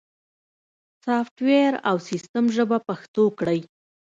سافت ویر او سیستم ژبه پښتو کړئ